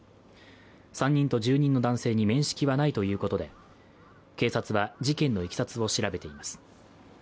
３人と住人の男性に面識はないということで、警察は事件のいきさつを調べています。